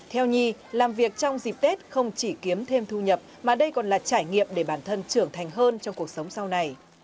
theo nhi làm việc trong dịp tết không chỉ kiếm thêm thu nhập mà đây còn là trải nghiệm để bản thân trưởng thành hơn trong cuộc sống sau này